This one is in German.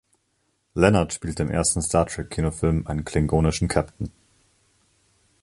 Lenard spielte im ersten Star-Trek-Kinofilm einen klingonischen Captain.